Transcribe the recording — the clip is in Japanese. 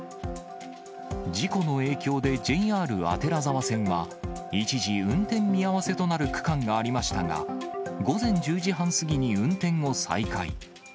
事故の影響でＪＲ左沢線は、一時、運転見合わせとなる区間がありましたが、午前１０時半過ぎに運転を再開。